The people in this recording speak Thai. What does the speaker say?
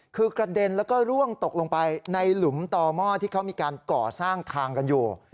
คือกระเด็นแล้วก็ร่วงตกลงไปในหลุมต่อหม้อที่เขามีการก่อสร้างทางกันอยู่